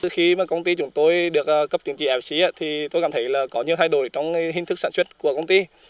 khi công ty chúng tôi được cấp chứng chỉ fsc tôi cảm thấy có nhiều thay đổi trong hình thức sản xuất của công ty